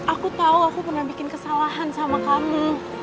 aku tahu aku pernah bikin kesalahan sama kami